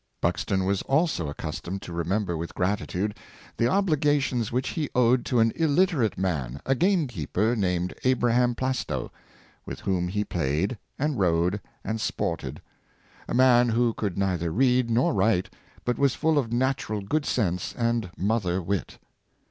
Buxton was also accustomed to remember with grati tude the obligations which he owed to an illiterate man a game keeper, named Abraham Plastow, with whom he played, and rode, and sported — a man who could neither read nor write, but was full of natural good sense and mother wit.